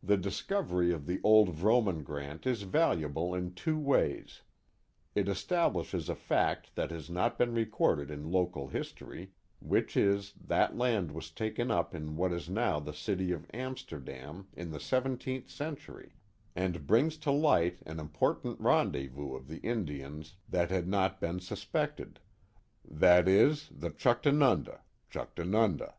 The discovery of the old Vrooman grant is valuable in two ways. It establishes a fact that has not been recorded in local history, which is, that land was taken up in what is now the city of Amsterdam in the seventeenth century, and brings to light an important rendezvous of the Indians that had not i68 The Mohawk Valley been suspected ; that is, the Juchtanunda (Chuctanunda).